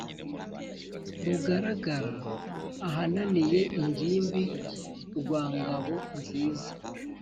rugaragara ahananiye ingimbi rwa ngabo nziza,